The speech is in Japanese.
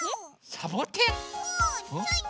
サボテン？